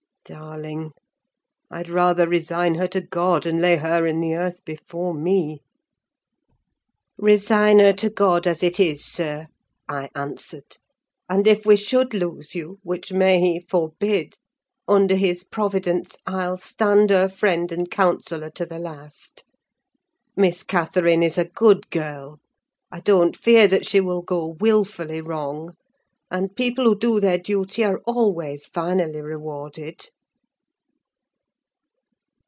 Darling! I'd rather resign her to God, and lay her in the earth before me." "Resign her to God as it is, sir," I answered, "and if we should lose you—which may He forbid—under His providence, I'll stand her friend and counsellor to the last. Miss Catherine is a good girl: I don't fear that she will go wilfully wrong; and people who do their duty are always finally rewarded."